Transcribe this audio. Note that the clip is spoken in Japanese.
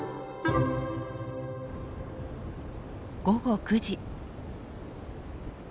午後９時。